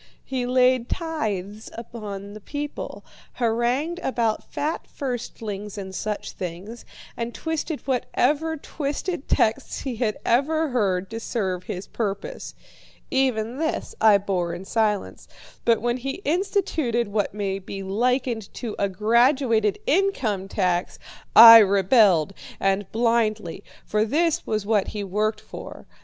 He laid tithes upon the people, harangued about fat firstlings and such things, and twisted whatever twisted texts he had ever heard to serve his purpose. Even this I bore in silence, but when he instituted what may be likened to a graduated income tax, I rebelled, and blindly, for this was what he worked for.